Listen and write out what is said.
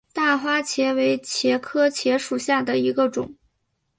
大花茄为茄科茄属下的一个种。